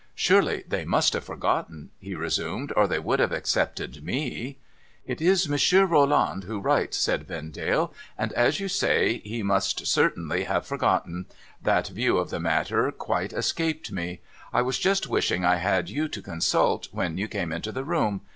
' Surely they must have forgotten ?' he resumed, ' or they would have excepted me 1 ' 'It is Monsieur Rolland who writes,' said Vendale. ' And, as you say, he must certainly have forgotten. 'I'hat view of tho matter quite escaped me. I was just wishing I had you to consult, when you came into the room.